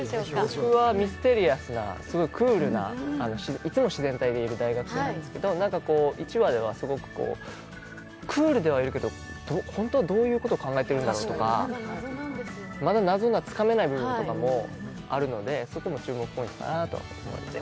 僕はミステリアスなクールないつも自然体でいる大学生なんですけど１話ではすごくクールではいるけど本当はどういうこと考えているんだろうとか、まだ謎がつかめない部分とかもあるのでそこも注目ポイントかなと思います。